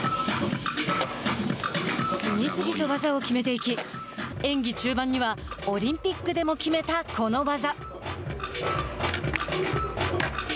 次々と技を決めていき演技中盤にはオリンピックでも決めたこの技。